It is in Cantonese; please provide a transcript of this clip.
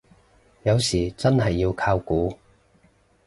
有時真係要靠估